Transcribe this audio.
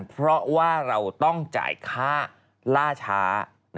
เพราะว่าเราต้องจ่ายค่าล่าช้า